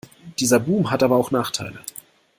Dieser Boom hat aber auch Nachteile.